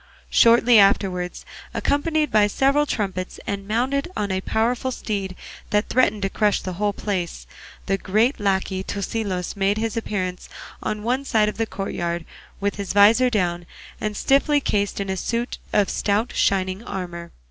Shortly afterwards, accompanied by several trumpets and mounted on a powerful steed that threatened to crush the whole place, the great lacquey Tosilos made his appearance on one side of the courtyard with his visor down and stiffly cased in a suit of stout shining armour.